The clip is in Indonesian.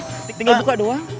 tinggal buka doang